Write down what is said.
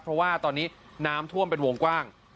เพราะว่าตอนนี้น้ำท่วมเป็นวงกว้าง